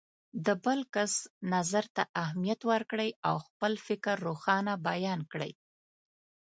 د بل کس نظر ته اهمیت ورکړئ او خپل فکر روښانه بیان کړئ.